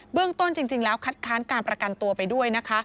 เรื่องต้นจริงแล้วคัดค้านการประกันตัวไปด้วยนะคะ